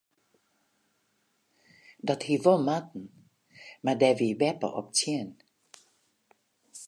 Dat hie wol moatten mar dêr wie beppe op tsjin.